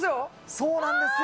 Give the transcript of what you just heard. そうなんですよ。